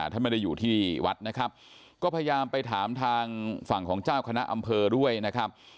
ท่านไม่ได้อยู่ที่วัดนะครับก็พยายามไปถามทางฝั่งของเจ้าคณะอำเภอด้วยนะครับ